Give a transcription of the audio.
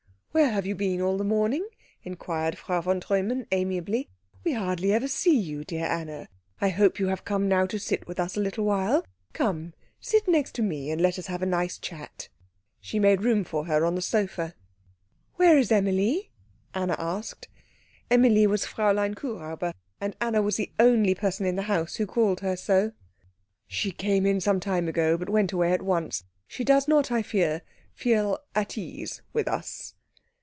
"Where have you been all the morning?" inquired Frau von Treumann amiably. "We hardly ever see you, dear Anna. I hope you have come now to sit with us a little while. Come, sit next to me, and let us have a nice chat." She made room for her on the sofa. "Where is Emilie?" Anna asked; Emilie was Fräulein Kuhräuber, and Anna was the only person in the house who called her so. "She came in some time ago, but went away at once. She does not, I fear, feel at ease with us."